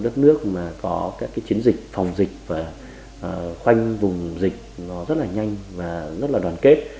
đất nước mà có các chiến dịch phòng dịch và khoanh vùng dịch nó rất là nhanh và rất là đoàn kết